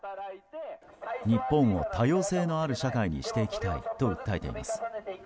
日本を多様性のある社会にしていきたいと訴えています。